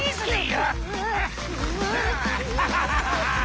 ウハハハハ！